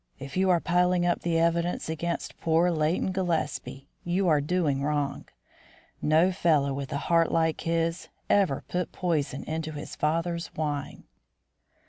If you are piling up the evidence against poor Leighton Gillespie, you are doing wrong. No fellow with a heart like his ever put poison into his father's wine."